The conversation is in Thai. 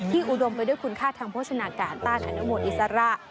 อุดมไปด้วยคุณค่าทางโภชนาการต้านธนโมอิสระ